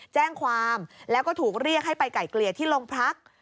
แจ้งความแล้วก็ถูกเรียกให้ไปไก่เกลี่ยที่โรงพัก